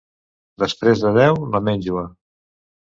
Després de Déu, la menjua.